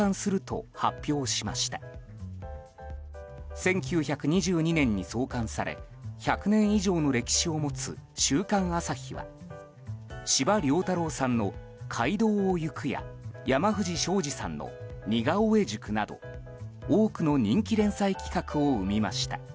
１９２２年に創刊され１００年以上の歴史を持つ「週刊朝日」は司馬遼太郎さんの「街道をゆく」や山藤章二さんの「似顔絵塾」など多くの人気連載企画を生みました。